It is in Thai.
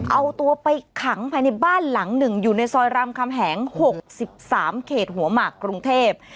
เอาตัวไปขังภายในบ้านหลังหนึ่งอยู่ในซอยรามคำแหง๖๓เขตหัวหมากกรุงเทพ